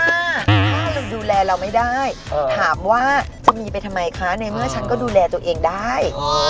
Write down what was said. ถ้าเราดูแลเราไม่ได้ถามว่าจะมีไปทำไมคะในเมื่อฉันก็ดูแลตัวเองได้